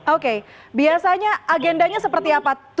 oke biasanya agendanya seperti apa